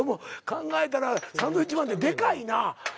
考えたらサンドウィッチマンってでかいなぁ。